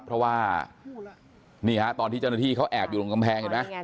เพราะว่านี่ฮะตอนที่เจ้าหน้าที่เขาแอบอยู่ตรงกำแพงเห็นไหม